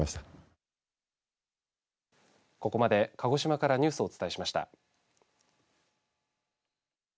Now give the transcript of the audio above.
ここまで鹿児島からニュースをお伝えしました。